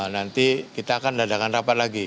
nanti kita akan dadakan rapat lagi